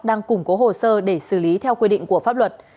đang củng cố hồ sơ để xử lý theo quy định của pháp luật